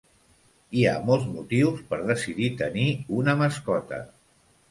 Hi ha molts motius per decidir tenir una mascota.